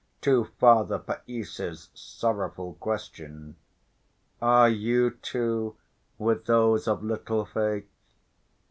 To Father Païssy's sorrowful question, "Are you too with those of little faith?"